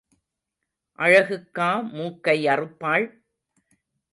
அழகுக்கா மூக்கை அறுப்பாள்?